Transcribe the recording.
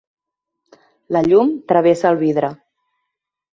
La llum travessa el vidre.